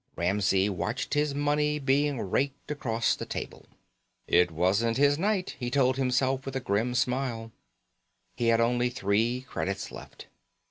Ramsey watched his money being raked across the table. It wasn't his night, he told himself with a grim smile. He had only three credits left.